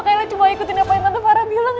kaila cuma ikutin apa yang tante farah bilang